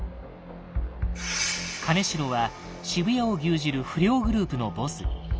金城は渋谷を牛耳る不良グループのボス。